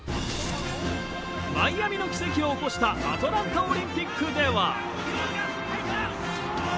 マイアミの奇跡を起こしたアトランタオリンピックでは。